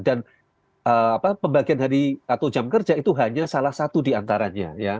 dan pembagian hari atau jam kerja itu hanya salah satu di antaranya ya